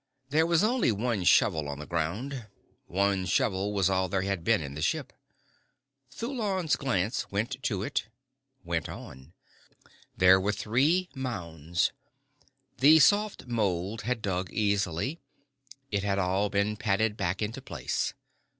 There was only one shovel on the ground. One shovel was all there had been in the ship. Thulon's glance went to it, went on. There were three mounds. The soft mould had dug easily. It had all been patted back into place.